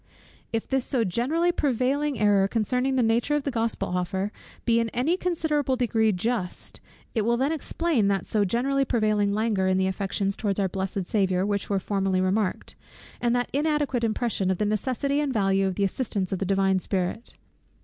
If this so generally prevailing error concerning the nature of the Gospel offer be in any considerable degree just; it will then explain that so generally prevailing languor in the affections towards our blessed Saviour which was formerly remarked, and that inadequate impression of the necessity and value of the assistance of the divine Spirit.